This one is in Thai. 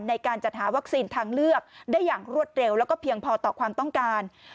ในการจัดหาวัคซีนทางเลือกได้อย่างรวดเร็วแล้วก็เพียงพอต่อความต้องการ